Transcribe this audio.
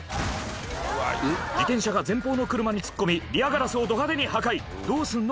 自転車が前方の車に突っ込みリアガラスをど派手に破壊どうすんの？